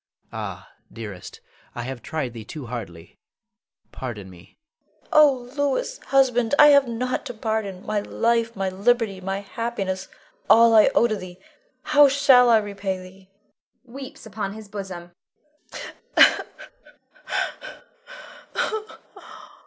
Ah, dearest, I have tried thee too hardly, pardon me! Leonore. Oh, Louis, husband, I have nought to pardon; my life, my liberty, my happiness, all, all, I owe to thee. How shall I repay thee? [_Weeps upon his bosom.